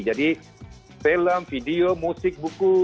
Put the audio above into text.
jadi film video musik buku